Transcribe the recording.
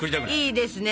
いいですね！